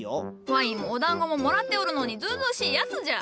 ワインもおだんごももらっておるのにずうずうしいやつじゃ。